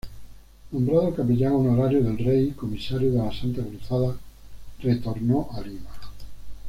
Nombrado capellán honorario del Rey y Comisario de la Santa Cruzada, retornó a Lima.